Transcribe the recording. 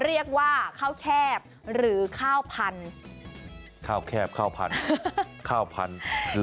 เรียกว่าข้าวแคบหรือข้าวพันธุ์ข้าวแคบข้าวพันธุ์ข้าวพันธุ์